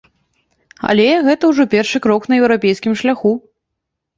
Але гэта ўжо першы крок на еўрапейскім шляху.